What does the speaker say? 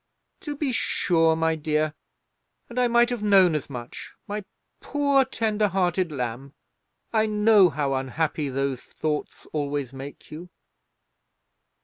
"To be sure, my dear; and I might have known as much, my poor tender hearted lamb. I know how unhappy those thoughts always make you."